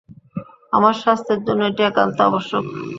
আমার স্বাস্থ্যের জন্য এটি একান্ত আবশ্যক।